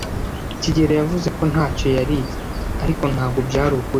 kigeli yavuze ko ntacyo yariye, ariko ntabwo byari ukuri.